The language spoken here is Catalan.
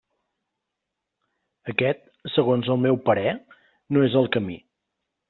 Aquest, segons el meu parer, no és el camí.